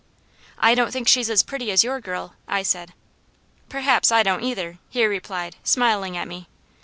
"I don't think she's as pretty as your girl," I said. "Perhaps I don't either," he replied, smiling at me.